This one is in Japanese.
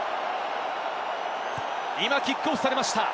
今キックオフされました。